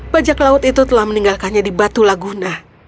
bajak laut itu telah meninggalkannya di batu laguna